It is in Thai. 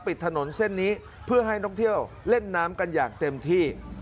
ปิดถนนเส้นนี้เพื่อให้น้องเที่ยวเล่นน้ำกันอย่างเต็มที่